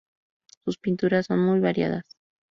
Sus pinturas son muy variadas.